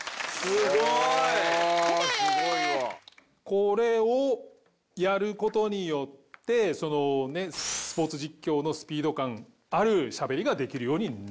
これをやる事によってスポーツ実況のスピード感あるしゃべりができるようになると。